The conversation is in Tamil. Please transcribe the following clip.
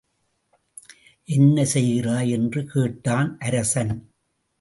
என்ன செய்கிறாய் என்று கேட்டான் அரசன்.